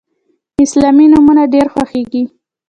اسلامي نومونه ډیر خوښیږي.